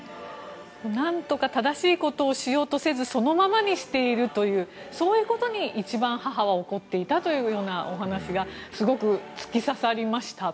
何とか正しいことをしようとせずそのままにしているというそういうことに一番母は怒っていたというようなお話がすごく突き刺さりました。